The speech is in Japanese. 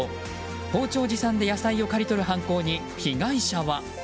包丁持参で野菜を刈り取る犯行に被害者は。